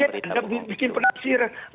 kemudian anda bikin penafsiran